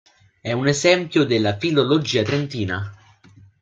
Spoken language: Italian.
È un esempio della filologia trentina.